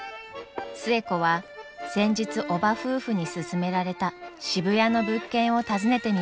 寿恵子は先日叔母夫婦に勧められた渋谷の物件を訪ねてみました。